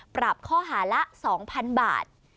ปรับข้อหาละ๒๐๐๐บาท